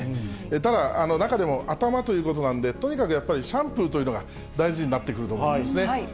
ただ、中でも頭ということなんで、とにかくやっぱり、シャンプーというのが大事になってくると思いますね。